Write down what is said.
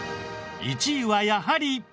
１位はやはり。